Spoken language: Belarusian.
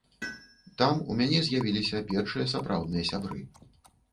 Там у мяне з'явіліся першыя сапраўдныя сябры.